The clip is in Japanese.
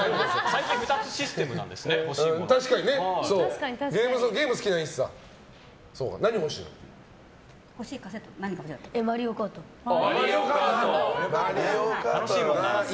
最近２つシステムなんですね。